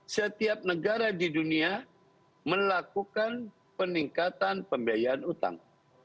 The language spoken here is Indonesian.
setiap negara di dunia melakukan peningkatan pembiayaan utang